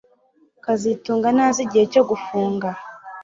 kazitunga ntazi igihe cyo gufunga